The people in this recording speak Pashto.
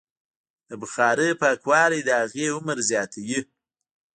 د بخارۍ پاکوالی د هغې عمر زیاتوي.